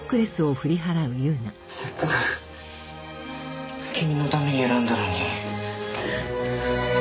せっかく君のために選んだのに。